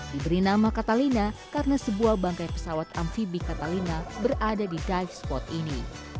diberi nama catalina karena sebuah bangkai pesawat amfibi catalina berada di dive spot ini